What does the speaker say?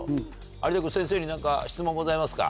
有田君先生に何か質問ございますか？